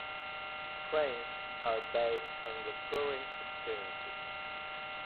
Frames are based on recurring experiences.